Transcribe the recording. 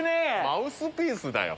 マウスピースだよ。